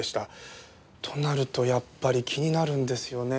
となるとやっぱり気になるんですよね